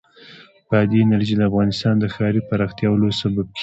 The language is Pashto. بادي انرژي د افغانستان د ښاري پراختیا یو لوی سبب کېږي.